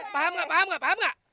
paham gak paham gak paham gak